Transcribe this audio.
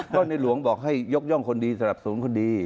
ก็ในหลวงบอกให้ยกย่องคนดีสนับสนุนคนดี